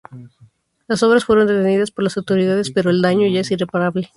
Las obras fueron detenidas por las autoridades pero el daño ya es irreparable.